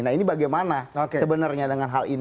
nah ini bagaimana sebenarnya dengan hal ini